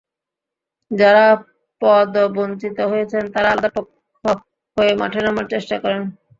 যাঁরা পদবঞ্চিত হয়েছেন, তাঁরা আলাদা পক্ষ হয়ে মাঠে নামার চেষ্টা করেন।